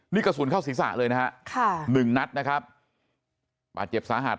นี่กระสุนเข้าศีรษะเลยนะฮะค่ะหนึ่งนัดนะครับบาดเจ็บสาหัส